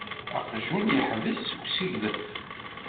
Aqjun yeḥbes seg useglef.